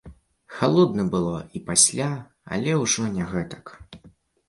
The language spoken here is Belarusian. Халодна было і пасля, але ўжо не гэтак.